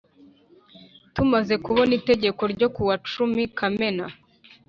Tumaze kubona Itegeko N ryo kuwa cumi kamena